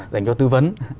dành cho tư vấn